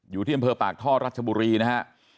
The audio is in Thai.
อยู่ที่อำเภอปากท่อรัชบุรีนะฮะ